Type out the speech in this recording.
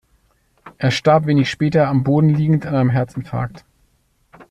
Er starb wenig später am Boden liegend an einem Herzinfarkt.